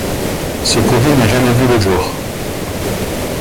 Ce projet n'a jamais vu le jour.